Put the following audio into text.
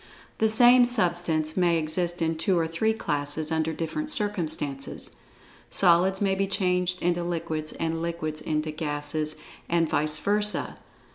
The same substance may exist in two or three classes, under different circumstances. Solids may be changed into liquids, and liquids into gases, and vice versa.